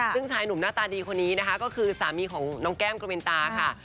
ซึ่งชายหนุ่มหน้าตาดีคนนี้นะคะก็คือสามีของน้องแก้มกวินตาค่ะ